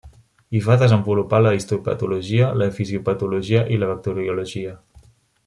Hi va desenvolupar la histopatologia, la fisiopatologia i la bacteriologia.